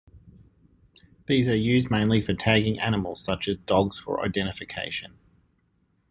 These are used mainly for tagging animals, such as dogs for identification.